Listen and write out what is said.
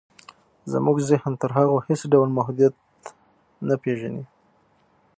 زموږ ذهن تر هغو هېڅ ډول محدوديت نه پېژني.